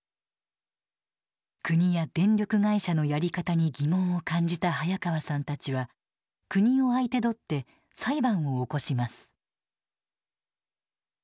国や電力会社のやり方に疑問を感じた早川さんたちは国を相手取って裁判を起こします。